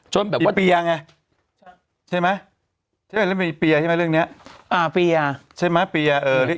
ช่วงแบบว่าอีเปียไงใช่ไหมเรื่องนี้อ่าเปียใช่ไหมเปียเออเรียกอีเปีย